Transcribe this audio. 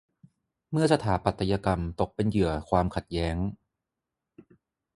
เมื่อสถาปัตยกรรมตกเป็นเหยื่อความขัดแย้ง